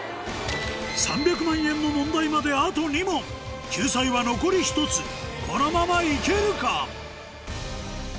３００万円の問題まであと２問救済は残り１つこのまま行けるか？